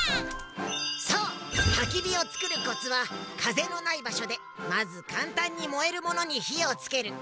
そうたきびをつくるコツはかぜのないばしょでまずかんたんにもえるものにひをつける。